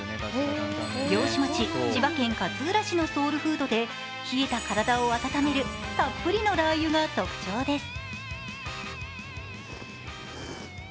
漁師町・千葉県勝浦市のソウルフードで冷えた体を温めるたっぷりのラー油が特徴です。